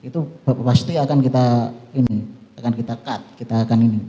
saya akan menghentikan